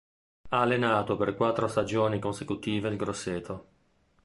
Ha allenato per quattro stagioni consecutive il Grosseto.